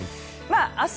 明日